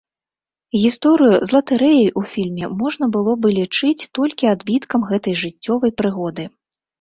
Гісторыю з латарэяй у фільме можна было бы лічыць толькі адбіткам гэтай жыццёвай прыгоды.